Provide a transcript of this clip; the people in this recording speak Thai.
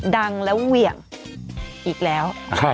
ดังแล้วเหวี่ยงอีกแล้ว